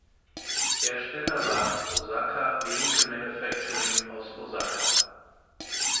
Hersteller war Osaka Vehicle Manufacturing aus Osaka.